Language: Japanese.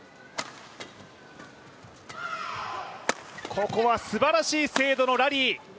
ここはすばらしい精度のラリー。